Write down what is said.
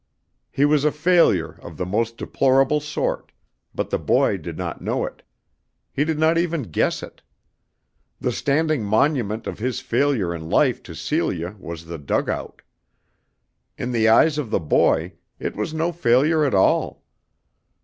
He was a failure of the most deplorable sort, but the boy did not know it. He did not even guess it. The standing monument of his failure in life to Celia was the dugout. In the eyes of the boy it was no failure at all.